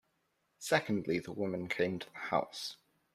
Secondly the woman came to the house.